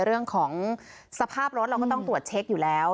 เรื่องของสภาพรถเราก็ต้องตรวจเช็คอยู่แล้ว